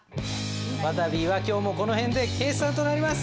わたびは今日もこの辺で決算となります！